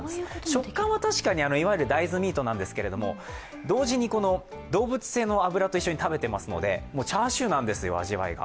食感は確かに、いわゆる大豆ミートなんですけど同時に、動物性の脂と一緒に食べているのでもうチャーシューなんですよ、味わいが。